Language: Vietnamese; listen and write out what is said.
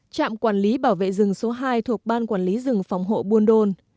trạm quản lý bảo vệ rừng số hai thuộc ban quản lý rừng phòng hộ buôn đôn